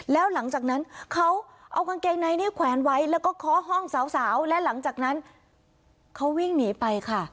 แล้วหลังจากนั้นเขาเอากางเกงในนี้แขวนไว้แล้วก็เคาะห้องสาวและหลังจากนั้นเขาวิ่งหนีไปค่ะ